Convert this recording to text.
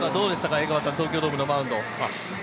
江川さん、東京ドームのマウンド。